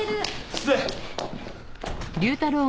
失礼！